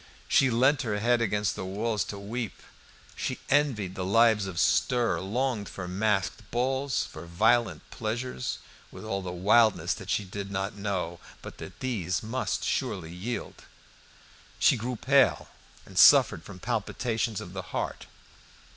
She leant her head against the walls to weep; she envied lives of stir; longed for masked balls, for violent pleasures, with all the wildness that she did not know, but that these must surely yield. She grew pale and suffered from palpitations of the heart.